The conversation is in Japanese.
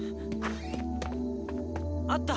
あった！